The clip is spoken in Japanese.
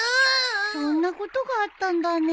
そんなことがあったんだね。